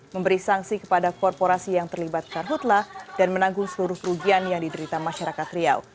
memberi sanksi kepada korporasi yang terlibat karhutlah dan menanggung seluruh kerugian yang diderita masyarakat riau